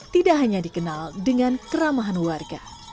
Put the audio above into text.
tidak hanya dikenal dengan keramahan warga